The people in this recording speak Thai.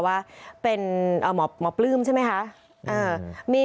ว่าเป็นหมอปลื้มใช่ไหมคะ